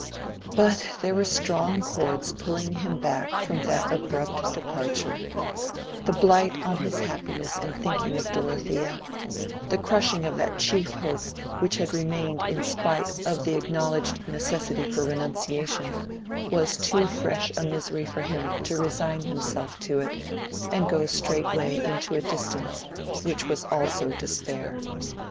But there were strong cords pulling him back from that abrupt departure: the blight on his happiness in thinking of Dorothea, the crushing of that chief hope which had remained in spite of the acknowledged necessity for renunciation, was too fresh a misery for him to resign himself to it and go straightway into a distance which was also despair.